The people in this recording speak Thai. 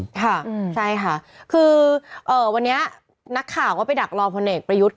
ค่ะคือวันนี้นักข่าวว่าไปดักรอพูดนเนกประยุทธ์